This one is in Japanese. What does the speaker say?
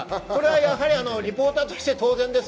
やはりリポーターとして当然です。